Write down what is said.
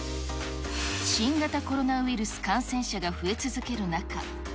新型コロナウイルス感染者が増え続ける中。